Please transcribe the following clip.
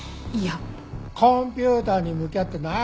コンピューターに向き合ってんの飽きた。